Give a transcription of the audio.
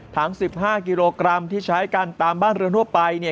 ทั้ง๑๕กิโลกรัมที่ใช้กันตามบ้านเรือนทั่วไปเนี่ย